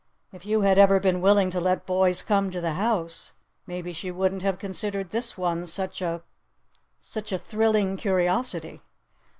"If you had ever been willing to let boys come to the house maybe she wouldn't have considered this one such a such a thrilling curiosity."